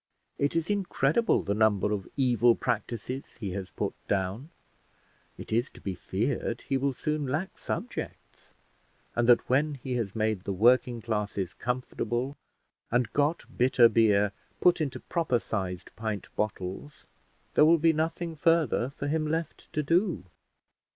It is incredible the number of evil practices he has put down: it is to be feared he will soon lack subjects, and that when he has made the working classes comfortable, and got bitter beer put into proper sized pint bottles, there will be nothing further for him left to do.